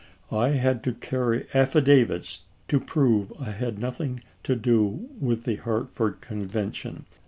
I had to carry af fidavits to prove I had nothing to do with the Hartford Convention.